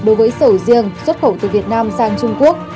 đối với sầu riêng xuất khẩu từ việt nam sang trung quốc